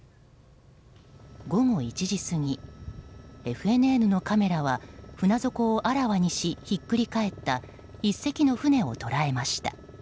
午後１時過ぎＦＮＮのカメラは船底をあらわにしひっくり返った１隻の船を捉えました。